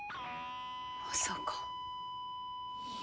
まさか。